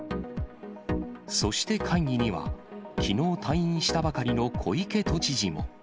そして会議には、きのう退院したばかりの小池都知事も。